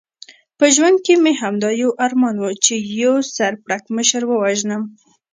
په ژوند کې مې همدا یو ارمان و، چې یو سر پړکمشر ووژنم.